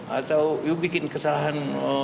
atau bikin kesalahan